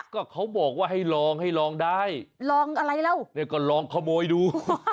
ก็เขาบอกว่าให้ลองให้ลองได้ลองอะไรแล้วเนี่ยก็ลองขโมยดู